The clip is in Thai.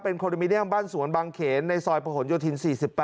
คอนโดมิเนียมบ้านสวนบางเขนในซอยประหลโยธิน๔๘